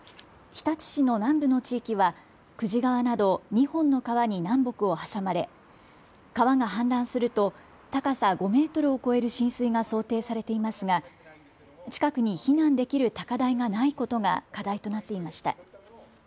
日立市の南部の地域は久慈川など２本の川に南北を挟まれ川が氾濫すると高さ５メートルを超える浸水が想定されていますが近くに避難できる高台がないことが課題となっていました。